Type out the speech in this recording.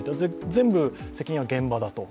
全部、責任は現場だと。